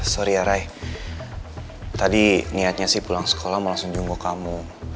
sorry ya rai tadi niatnya sih pulang sekolah mau langsung jungguh kamu